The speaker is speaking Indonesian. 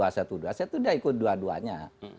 saya sudah ikut dua duanya